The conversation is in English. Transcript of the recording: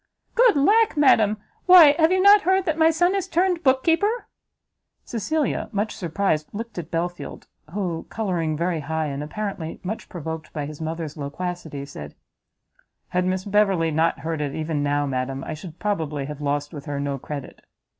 "Good lack, madam, why have not you heard that my son is turned book keeper?" Cecilia, much surprised, looked at Belfield, who, colouring very high, and apparently much provoked by his mother's loquacity, said, "Had Miss Beverley not heard it even now, madam, I should probably have lost with her no credit."